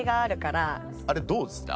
あれどうですた？